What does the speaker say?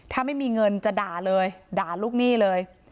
ถ้าไม่มีเงินจะด่าเลยด่าลูกหนี้เลย